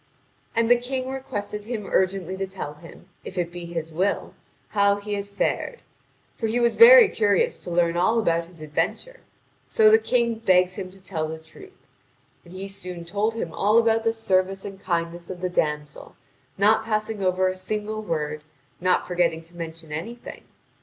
And the King requested him urgently to tell him, if it be his will, how he had fared; for he was very curious to learn all about his adventure; so the King begs him to tell the truth. And he soon told him all about the service and kindness of the damsel, not passing over a single word, not forgetting to mention anything.